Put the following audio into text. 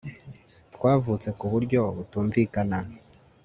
twavutse ku buryo butumvikana